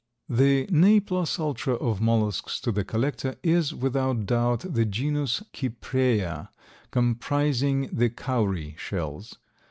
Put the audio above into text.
The ne plus ultra of mollusks to the collector is without doubt the genus Cypraea, comprising the cowry shells.